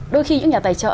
đôi khi những nhà tài trợ